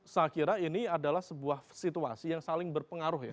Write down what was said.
saya kira ini adalah sebuah situasi yang saling berpengaruh ya